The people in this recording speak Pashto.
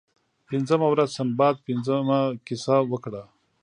پنځمه ورځ سنباد پنځمه کیسه وکړه.